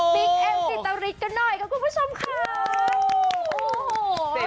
ปิ๊กเอมตีไตลิทกันหน่อยครับคุณผู้ชมค่ะ